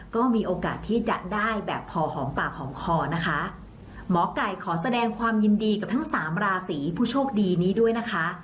ก็มีโอกาสที่จะได้แบบพอหอมปากหอมคอนะคะหมอไก่ขอแสดงความยินดีกับทั้งสามราศีผู้โชคดีนี้ด้วยนะคะ